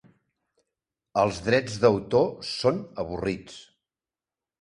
Els drets d'autor són avorrits.